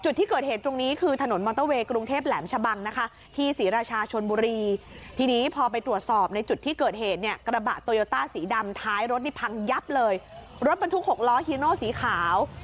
สีดำท้ายรถนี่พังยับเลยรถบรรทุก๖ล้อฮิลโน่สีขาว